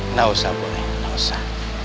nggak usah boleh nggak usah